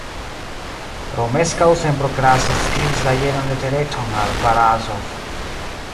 Romeskaŭ senprokraste skribis la jenan letereton al Barazof.